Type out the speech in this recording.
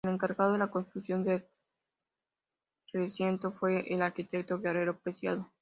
El encargado de la construcción del recinto fue el Arquitecto Guerrero Preciado.